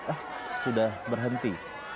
ah sudah berhenti